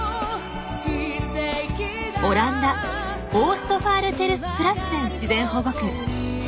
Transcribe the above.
オランダオーストファールテルスプラッセン自然保護区。